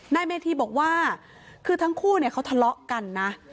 นายเมธีบอกว่าคือทั้งคู่เนี่ยเขาทะเลาะกันนะ